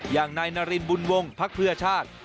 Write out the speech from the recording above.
อย่างนายนารินบุญวงพักเพื่อชาติ